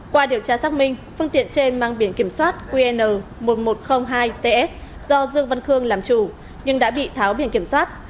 qua điều tra xác minh phương tiện trên mang biển kiểm soát qn một nghìn một trăm linh hai ts do dương văn khương làm chủ nhưng đã bị tháo biển kiểm soát